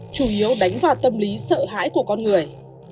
chủ yếu đánh vào tâm lý sợ hãi của con người